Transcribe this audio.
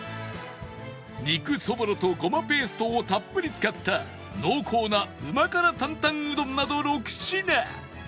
肉そぼろとごまペーストをたっぷり使った濃厚なうま辛担々うどんなど６品